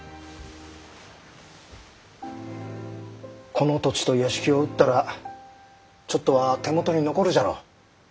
この土地と屋敷を売ったらちょっとは手元に残るじゃろう。